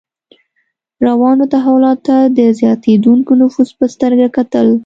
روانو تحولاتو ته د زیاتېدونکي نفوذ په سترګه کتل.